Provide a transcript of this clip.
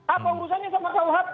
apa urusannya sama kuhp